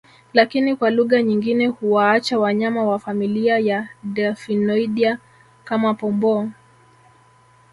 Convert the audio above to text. Lakini kwa lugha nyingine huwaacha wanyama wa familia ya Delphinoidea kama Pomboo